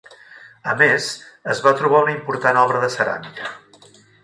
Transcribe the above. A més, es va trobar una important obra de ceràmica.